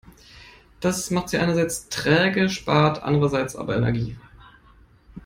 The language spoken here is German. Das macht sie einerseits träge, spart andererseits aber Energie.